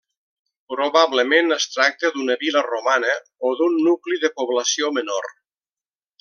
Probablement es tracta d'una vila romana o d'un nucli de població menor.